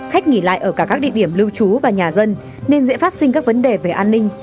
khách nghỉ lại ở cả các địa điểm lưu trú và nhà dân nên dễ phát sinh các vấn đề về an ninh